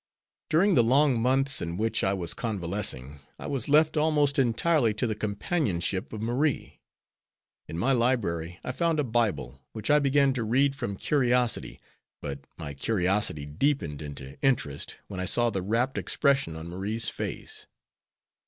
"During the long months in which I was convalescing, I was left almost entirely to the companionship of Marie. In my library I found a Bible, which I began to read from curiosity, but my curiosity deepened into interest when I saw the rapt expression on Marie's face.